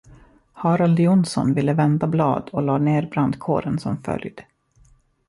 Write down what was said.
Harald Jonsson ville vända blad och lade ned brandkåren som följd.